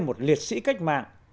một liệt sĩ cách mạng